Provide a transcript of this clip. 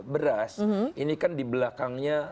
beras ini kan di belakangnya